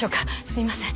すいません。